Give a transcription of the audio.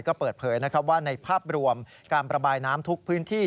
ก็เปิดเผยนะครับว่าในภาพรวมการประบายน้ำทุกพื้นที่